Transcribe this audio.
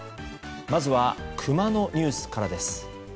まずはクマのニュースからです。